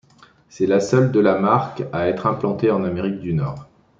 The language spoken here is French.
C'est la seule, de la marque, à être implantée en Amérique du Nord.